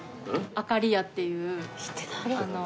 あかりやっていう。